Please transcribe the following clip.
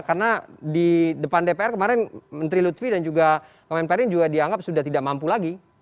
karena di depan dpr kemarin menteri lutfi dan juga kemen perin juga dianggap sudah tidak mampu lagi